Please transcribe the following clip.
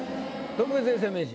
特別永世名人。